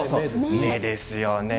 目ですよね。